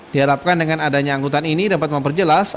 diharapkan dengan adanya angkutan ini dapat memperjelas